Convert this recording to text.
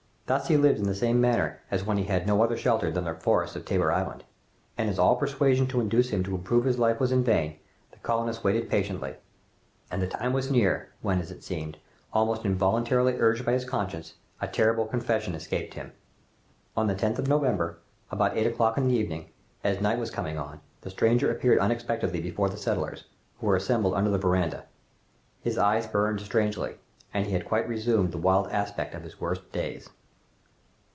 Thus he lived in the same manner as when he had no other shelter than the forests of Tabor Island, and as all persuasion to induce him to improve his life was in vain, the colonists waited patiently. And the time was near, when, as it seemed, almost involuntarily urged by his conscience, a terrible confession escaped him. On the 10th of November, about eight o'clock in the evening, as night was coming on, the stranger appeared unexpectedly before the settlers, who were assembled under the veranda. His eyes burned strangely, and he had quite resumed the wild aspect of his worst days.